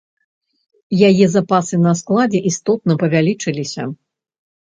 Яе запасы на складзе істотна павялічыліся.